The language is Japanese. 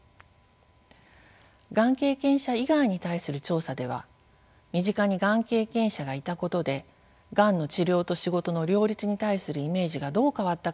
がん経験者以外に対する調査では身近にがん経験者がいたことでがんの治療と仕事の両立に対するイメージがどう変わったかについて尋ねました。